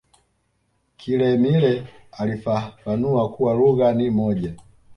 kilemile alifafanua kuwa lugha ni moja